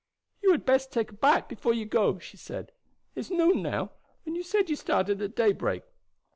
"You had best take a bite before you go," she said. "It's noon now, and you said you started at daybreak.